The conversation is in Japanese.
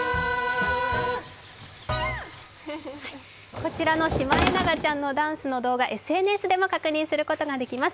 こちらのシマエナガちゃんのダンスの動画、ＳＮＳでも確認することができます